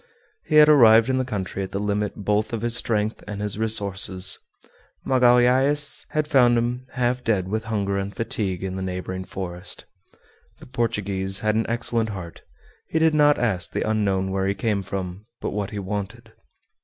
He had arrived in the country at the limit both of his strength and his resources. Magalhaës had found him half dead with hunger and fatigue in the neighboring forest. The Portuguese had an excellent heart; he did not ask the unknown where he came from, but what he wanted.